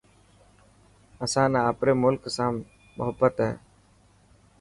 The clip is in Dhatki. اسان نا آپري ملڪ سان محبت هي.